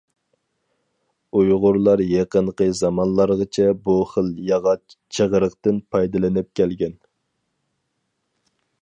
ئۇيغۇرلار يېقىنقى زامانلارغىچە بۇ خىل ياغاچ چىغرىقتىن پايدىلىنىپ كەلگەن.